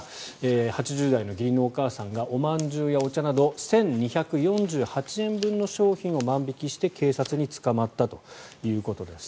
８０代の義理のお母さんがおまんじゅうやお茶など１２４８円分の商品を万引きして警察に捕まったということです。